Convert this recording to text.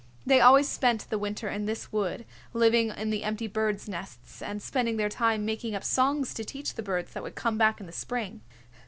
They always spent the winter in this wood, living in the empty birds' nests and spending their time making up songs to teach the birds that would come back in the spring.